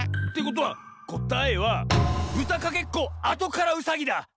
ってことはこたえは「ぶたかけっこあとからうさぎ」だ！